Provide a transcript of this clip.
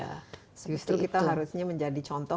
justru kita harusnya menjadi contoh